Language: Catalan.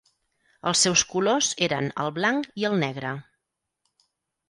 Els seus colors eren el blanc i el negre.